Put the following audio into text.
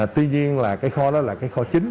tuy nhiên là cái kho đó là cái kho chính